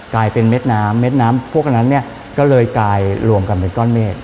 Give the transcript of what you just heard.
กลายเป็นเม็ดน้ำเม็ดน้ำพวกนั้นเนี่ยก็เลยกลายรวมกันเป็นก้อนเมฆ